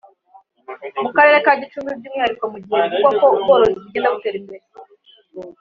mu Karere ka Gicumbi by’umwihariko mu gihe bivugwa ko ubworozi bugenda butera imbere